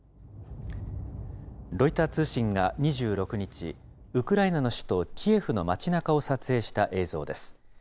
ロイター通信が２６日、ウクライナの首都キエフの街なかを撮影した映像です。